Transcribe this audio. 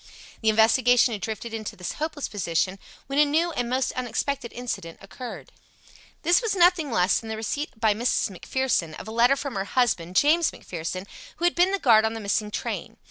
The investigation had drifted into this hopeless position when a new and most unexpected incident occurred. This was nothing less than the receipt by Mrs. McPherson of a letter from her husband, James McPherson, who had been the guard on the missing train.